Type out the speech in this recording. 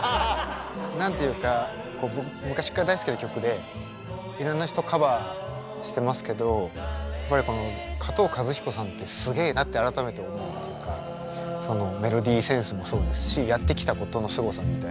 何て言うか昔から大好きな曲でいろんな人カバーしてますけど加藤和彦さんってすげえなって改めて思うというかメロディーセンスもそうですしやってきたことのすごさみたいな。